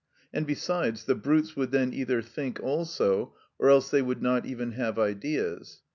And besides, the brutes would then either think also, or else they would not even have ideas.